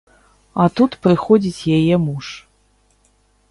А тут прыходзіць яе муж.